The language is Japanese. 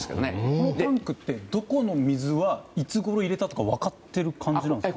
そのタンクってどこの水は、いつごろ入れたか分かる感じなんですか。